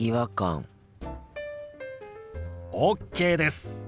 ＯＫです。